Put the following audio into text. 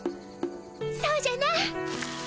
そうじゃな！